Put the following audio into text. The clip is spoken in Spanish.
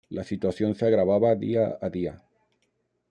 La situación se agravaba día a día.